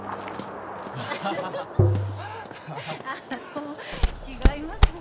あの違います